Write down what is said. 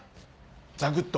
ザクっと？